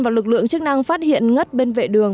và lực lượng chức năng phát hiện ngất bên vệ đường